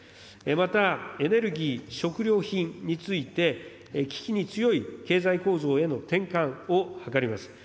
また、エネルギー、食料品について、危機に強い経済構造への転換を図ります。